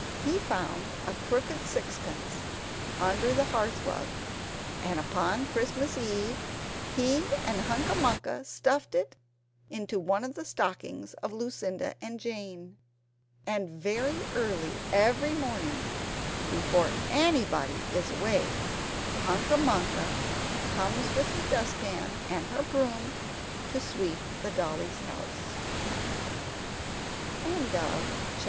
He found a crooked sixpence under the hearth rug; and upon Christmas Eve, he and Hunca Munca stuffed it into one of the stockings of Lucinda and Jane. And very early every morning before anybody is awake Hunca Munca comes with her dust pan and her broom to sweep the Dollies' house! THE TALE OF MRS.